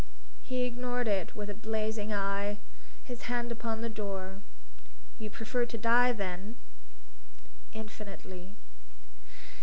He ignored it with a blazing eye, his hand upon the door. "You prefer to die, then?" "Infinitely."